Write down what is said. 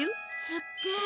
すっげえ。